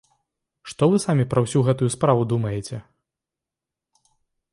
Што вы самі пра ўсю гэтую справу думаеце?